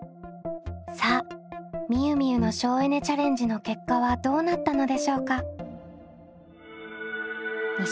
さあみゆみゆの省エネ・チャレンジの結果はどうなったのでしょうか？